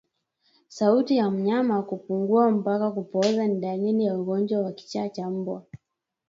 Sauti ya mnyama kupungua mpaka kupooza ni dalili ya ugonjwa wa kichaa cha mbwa